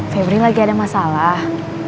febri lagi ada masalah